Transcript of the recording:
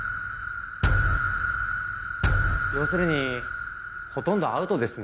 要するにほとんどアウトですね。